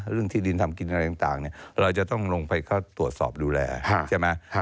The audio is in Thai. เรื่องที่ดินทำกินอะไรต่างเราจะต้องลงไปเข้าตรวจสอบดูแลใช่ไหม